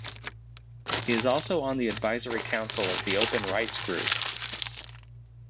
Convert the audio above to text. He is also on the advisory council of the Open Rights Group.